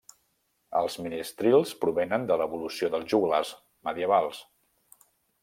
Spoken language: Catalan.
Els ministrils provenen de l’evolució dels joglars medievals.